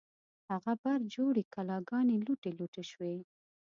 هغه برجورې کلاګانې، لوټې لوټې شوې